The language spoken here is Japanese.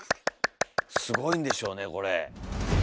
すごいんでしょうねこれ。